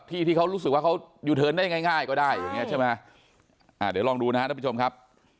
ที่เขารู้สึกว่าเขาอยู่เพิ่มได้ง่ายว่าได้ใช่ไหมเหรอเราลองดูนะท่านผู้ชมครับ